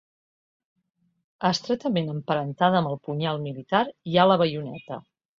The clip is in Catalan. Estretament emparentada amb el punyal militar hi ha la baioneta.